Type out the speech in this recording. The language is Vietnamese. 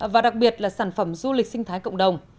và đặc biệt là sản phẩm du lịch sinh thái cộng đồng